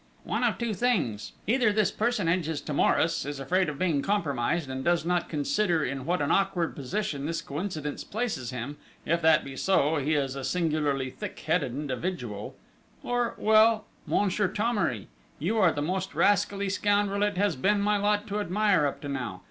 "One of two things!... "Either this personage is timorous, is afraid of being compromised, and does not consider in what an awkward position this coincidence places him if that be so, he is a singularly thick headed individual or well Monsieur Thomery ... you are the most rascally scoundrel it has been my lot to admire, up to now!